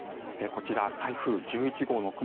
こちら、台風１１号の雲